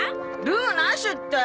ルーなしって！